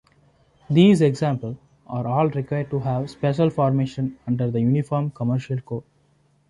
These example are all required to have special formation under the Uniform Commercial Code.